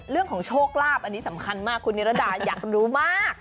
เรื่องของโชคลาภอันนี้สำคัญมากคุณนิรดาอยากรู้มาก